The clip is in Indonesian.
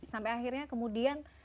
sampai akhirnya kemudian